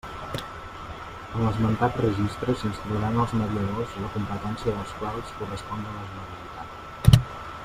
En l'esmentat registre s'inscriuran els mediadors la competència dels quals corresponga a la Generalitat.